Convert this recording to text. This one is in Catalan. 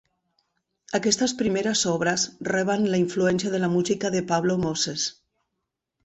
Aquestes primeres obres reben la influència de la música de Pablo Moses.